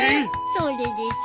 それでさ。